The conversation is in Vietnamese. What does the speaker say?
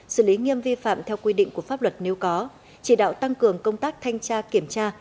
xử lý nghiêm vi phạm theo quy định của pháp luật nếu có chỉ đạo tăng cường công tác thanh tra kiểm tra